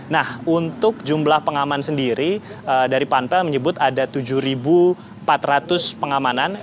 nah untuk jumlah pengaman sendiri dari panpel menyebut ada tujuh empat ratus pengamanan